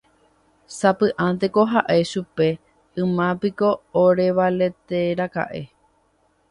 Sapy'ánteko ha'e che jupe yma piko orevaleteraka'e.